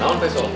iya mah bestol